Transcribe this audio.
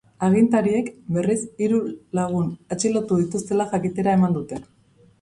Agintariek, berriz, hiru lagun atxilotu dituztela jakitera eman dute.